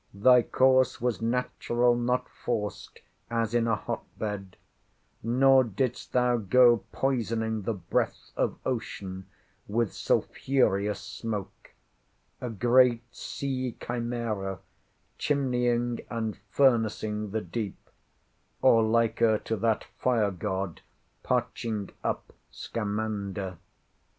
Thy course was natural, not forced, as in a hot bed; nor didst thou go poisoning the breath of ocean with sulphureous smoke—a great sea chimæra, chimneying and furnacing the deep; or liker to that fire god parching up Scamander.